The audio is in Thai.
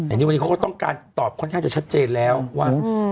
อันนี้วันนี้เขาก็ต้องการตอบค่อนข้างจะชัดเจนแล้วว่า